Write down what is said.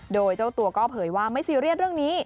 โดยเจ้าตัวก็เผยว่าไม่ซีเรียสเรื่องนี้